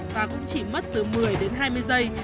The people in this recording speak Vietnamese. và cũng chỉ mất từ một mươi đến hai mươi giây